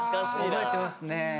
覚えてますね。